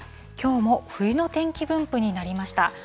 きょうも冬の天気分布になりました。